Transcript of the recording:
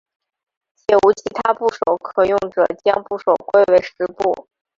且无其他部首可用者将部首归为石部。